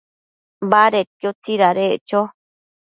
Badedquio tsidadeccho